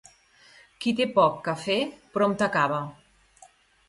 Qui té poc quefer, prompte acaba.